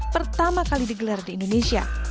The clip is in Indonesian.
pertama kali digelar di indonesia